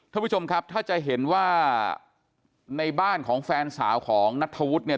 ท่านผู้ชมครับถ้าจะเห็นว่าในบ้านของแฟนสาวของนัทธวุฒิเนี่ย